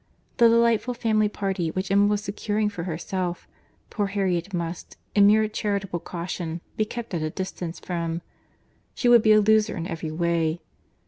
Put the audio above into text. The delightful family party which Emma was securing for herself, poor Harriet must, in mere charitable caution, be kept at a distance from. She would be a loser in every way.